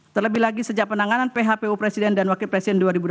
terlebih lagi sejak penanganan phpu presiden dan wakil presiden dua ribu dua puluh